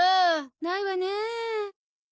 ないわね。